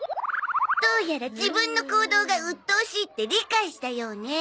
どうやら自分の行動がうっとうしいって理解したようね。